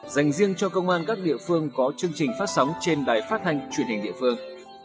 dành riêng cho công an các địa phương có chương trình phát sóng trên đài phát thanh truyền hình địa phương